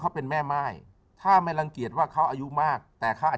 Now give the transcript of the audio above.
เขาเป็นแม่ม่ายถ้าไม่รังเกียจว่าเขาอายุมากแต่เขาอาจ